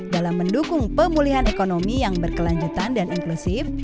dalam mendukung pemulihan ekonomi yang berkelanjutan dan inklusif